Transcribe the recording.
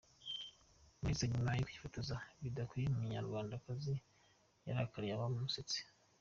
Umulisa nyuma yo kwifotoza bidakwiriye Umunyarwandakazi yarakariye abamusetse.